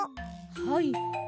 はい。